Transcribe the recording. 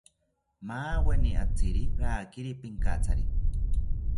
Maweni atziri rakiri pinkatsari